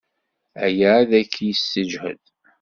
Aya ad k-yessejhed.